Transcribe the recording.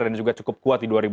dan juga cukup populer